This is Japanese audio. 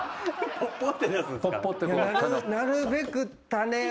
なるべく種を。